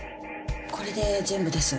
これで全部です。